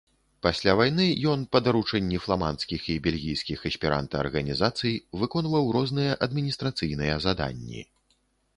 Пасля вайны ён, па даручэнні фламандскіх і бельгійскіх эсперанта арганізацый, выконваў розныя адміністрацыйныя заданні.